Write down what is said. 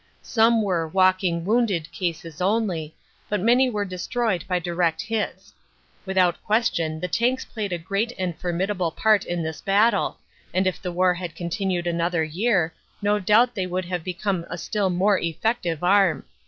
Some were "walk ing wounded" cases only, but many were destroyed by direct hits. Without question the tanks played a great and formid able part in this battle, and if the war had continued another year no doubt they would have become a still more effective arm.